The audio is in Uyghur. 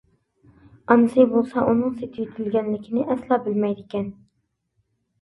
ئانىسى بولسا ئۇنىڭ سېتىۋېتىلگەنلىكىنى ئەسلا بىلمەيدىكەن.